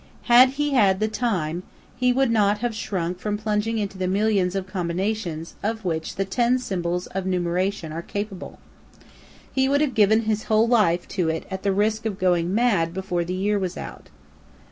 Had he had the time, he would not have shrunk from plunging into the millions of combinations of which the ten symbols of numeration are capable. He would have given his whole life to it at the risk of going mad before the year was out.